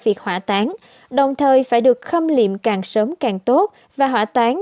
việc hỏa tán đồng thời phải được khâm liệm càng sớm càng tốt và hỏa tán